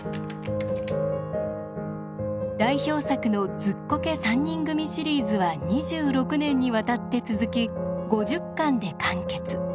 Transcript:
代表作の「ズッコケ三人組」シリーズは２６年にわたって続き５０巻で完結。